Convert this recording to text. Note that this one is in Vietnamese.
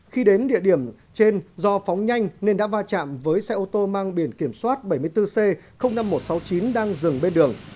khi đến địa điểm trên do phóng nhanh nên đã va chạm với xe ô tô mang biển kiểm soát bảy mươi bốn c năm nghìn một trăm sáu mươi chín đang dừng bên đường